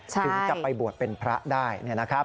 ถึงจะไปบวชเป็นพระได้นะครับ